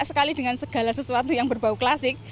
sekali dengan segala sesuatu yang berbau klasik